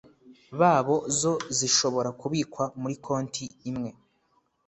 babo zo zishobora kubikwa muri konti imwe